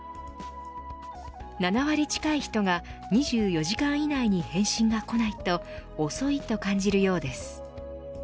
７割近い人が２４時間以内に返信がこないと遅いと感じるようです。